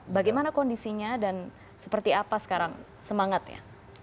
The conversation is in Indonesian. bagaimana kondisinya dan seperti apa sekarang semangatnya